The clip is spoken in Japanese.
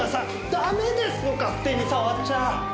ダメですよ勝手に触っちゃ！